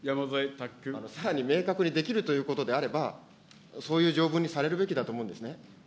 さらに明確にできるということであれば、そういう条文にされるべきだと思うんですね。